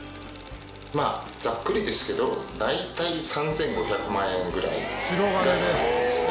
まあざっくりですけど大体３５００万円ぐらいがかかってますね。